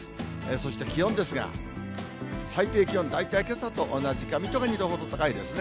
そして気温ですが、最低気温、大体けさと同じか、水戸が２度ほど高いですね。